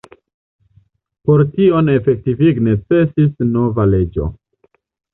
Por tion efektivigi necesis nova leĝo.